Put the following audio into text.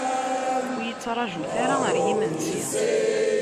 Ur yi-ttrajut ara ɣer imensi.